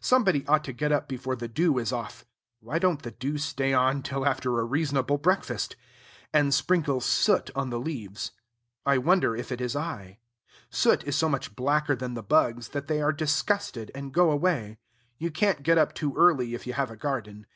Somebody ought to get up before the dew is off (why don't the dew stay on till after a reasonable breakfast?) and sprinkle soot on the leaves. I wonder if it is I. Soot is so much blacker than the bugs, that they are disgusted, and go away. You can't get up too early, if you have a garden.